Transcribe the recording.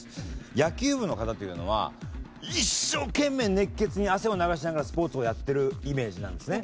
野球部の方というのは一生懸命熱血に汗を流しながらスポーツをやってるイメージなんですね。